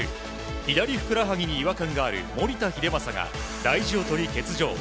左ふくらはぎに違和感がある守田英正が大事を取り欠場。